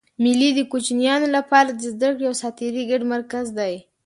مېلې د کوچنيانو له پاره د زدهکړي او ساتېري ګډ مرکز دئ.